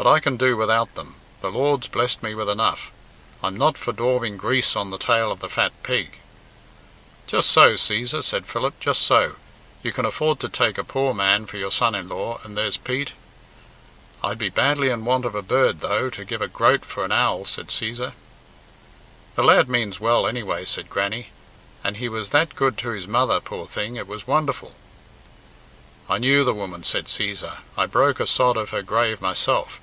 But I can do without them. The Lord's blest me with enough. I'm not for daubing grease on the tail of the fat pig." "Just so, Cæsar," said Philip, "just so; you can afford to take a poor man for your son in law, and there's Pete " "I'd be badly in want of a bird, though, to give a groat for an owl," said Cæsar. "The lad means well, anyway," said Grannie; "and he was that good to his mother, poor thing it was wonderful." "I knew the woman," said Cæsar; "I broke a sod of her grave myself.